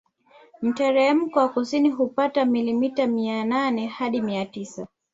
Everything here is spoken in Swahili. Mteremko wa kusini hupata milimita mia nane hadi mia tisa